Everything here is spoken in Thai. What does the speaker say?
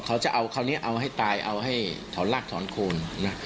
เขาจะเอาคราวนี้เอาให้ตายเอาให้ถอนรากถอนโคนนะ